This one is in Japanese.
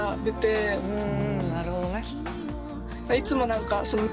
なるほど。